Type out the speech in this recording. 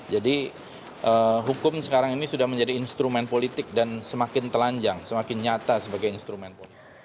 jadi hukum sekarang ini sudah menjadi instrumen politik dan semakin telanjang semakin nyata sebagai instrumen politik